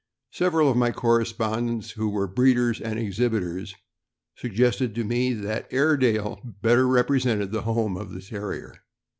Several of my correspondents, who were breeders and exhibitors, suggested to me that Airedale better represented the home of this Terrier.